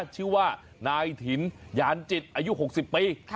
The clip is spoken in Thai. ชื่อว่านายถิ่นยานจิตอายุ๖๐ปี